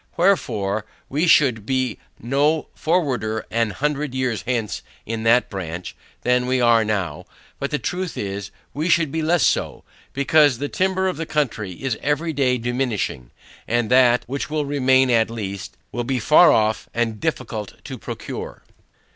Wherefore, we should be no forwarder an hundred years hence in that branch, than we are now; but the truth is, we should be less so, because the timber of the country is every day diminishing, and that, which will remain at last, will be far off and difficult to procure.